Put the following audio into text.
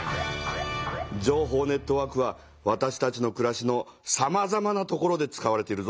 情報ネットワークはわたしたちのくらしのさまざまな所で使われているぞ。